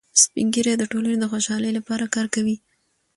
سپین ږیری د ټولنې د خوشحالۍ لپاره کار کوي